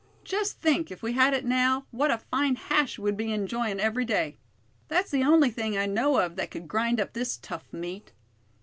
Just think, if we had it now, what a fine hash we'd be enjoyin' every day. That's the only thing I know of that could grind up this tough meat."